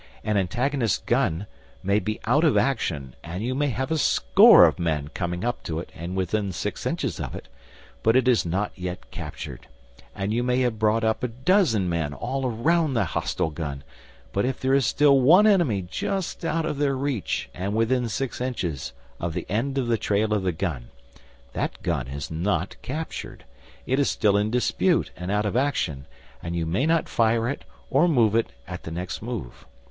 An antagonist's gun may be out of action, and you may have a score of men coming up to it and within six inches of it, but it is not yet captured; and you may have brought up a dozen men all round the hostile gun, but if there is still one enemy just out of their reach and within six inches of the end of the trail of the gun, that gun is not captured: it is still in dispute and out of action, and you may not fire it or move it at the next move.